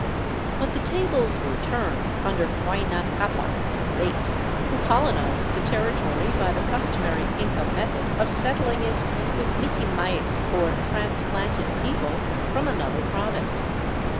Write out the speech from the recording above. But the tables were turned under Huayna Ccapac, the Great, who colonized the territory by the customary Inca method of settling it with mitimaes, or " transplanted people " from another province.